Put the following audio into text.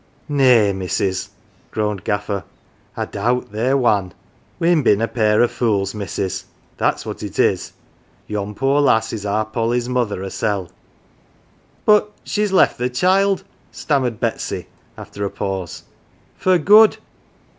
"Nay, missus," groaned Gaffer. "I doubt they're wan. We'n been a pair of fools, missus, that's what it is. Yon poor lass is our Polly's mother hersel'." " But she's left the child," stammered Betsy after a pause, " for good."